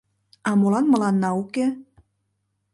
— А молан мыланна уке?